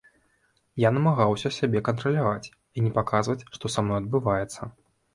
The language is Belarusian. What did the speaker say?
Я намагаўся сябе кантраляваць і не паказваць, што са мной адбываецца.